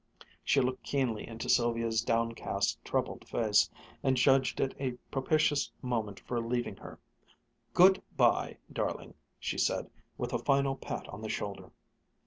She looked keenly into Sylvia's downcast, troubled face, and judged it a propitious moment for leaving her. "Good bye, darling," she said, with a final pat on the shoulder.